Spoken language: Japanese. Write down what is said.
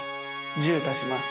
１０足します。